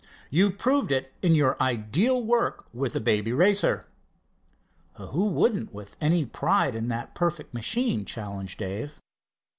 "You proved it in your ideal work with the Baby Racer." "Who wouldn't, with any pride and that perfect machine?" challenged Dave.